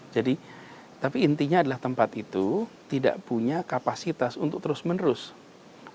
jadi tapi intinya adalah tempat itu tidak punya kapasitas untuk terus menerus menerima sampah